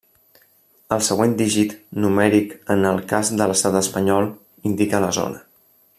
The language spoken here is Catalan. El següent dígit, numèric en el cas de l'estat espanyol, indica la zona.